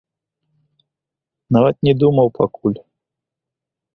Нават не думаў пакуль.